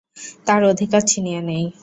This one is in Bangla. তার অধিকার ছিনিয়ে নেয়।